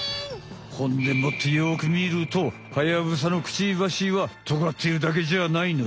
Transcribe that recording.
ほんでもってよくみるとハヤブサのクチバシはトガっているだけじゃないのよ。